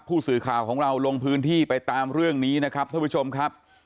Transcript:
ผู้สื่อข่าวของเราลงพื้นที่ไปตามเรื่องนี้นะครับท่านผู้ชมครับ